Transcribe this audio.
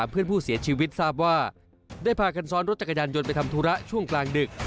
เพื่อนผู้เสียชีวิตทราบว่าได้พากันซ้อนรถจักรยานยนต์ไปทำธุระช่วงกลางดึก